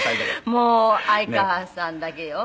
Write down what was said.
「もう愛川さんだけよ」